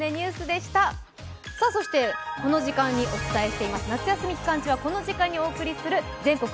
そしてこの時間にお伝えしています、夏休み期間中はこの時間にお送りする「全国！